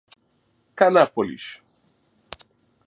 Canápolis